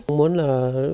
mình muốn là